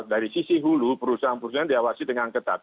dari sisi hulu perusahaan perusahaan diawasi dengan ketat